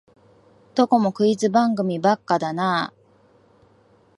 どこもクイズ番組ばっかだなあ